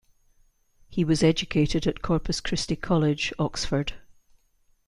He was educated at Corpus Christi College, Oxford.